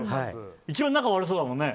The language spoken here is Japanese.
一番仲悪そうだもんね。